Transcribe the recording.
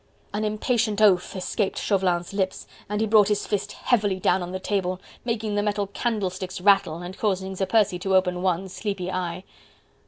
An impatient oath escaped Chauvelin's lips, and he brought his fist heavily down on the table, making the metal candlesticks rattle and causing Sir Percy to open one sleepy eye.